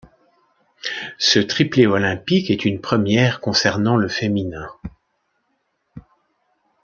Ce triplé olympique est une première concernant le féminin.